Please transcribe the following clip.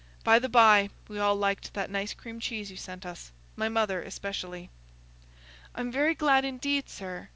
By the by, we all liked that nice cream cheese you sent us—my mother especially." "I'm very glad, indeed, sir.